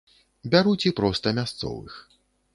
Бяруць і проста мясцовых.